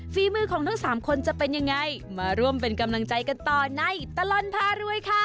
ฝีมือของทั้งสามคนจะเป็นยังไงมาร่วมเป็นกำลังใจกันต่อในตลอดพารวยค่ะ